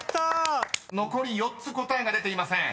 ［残り４つ答えが出ていません］